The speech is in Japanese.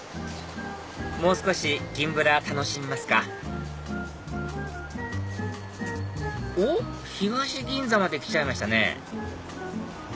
もう少し銀ぶら楽しみますかおっ東銀座まで来ちゃいましたね